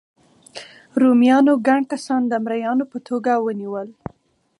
رومیانو ګڼ کسان د مریانو په توګه ونیول.